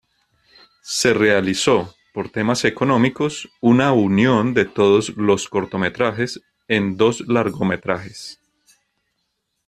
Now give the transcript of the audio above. Se realizó, por temas económicos, una unión de todos los cortometrajes en dos largometrajes.